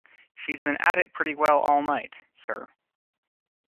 She's been at it pretty well all night, sir.